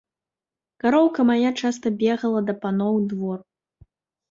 Кароўка мая часта бегала да паноў у двор.